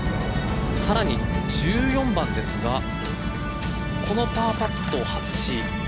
さらに１４番ですがこのパーパットを外し。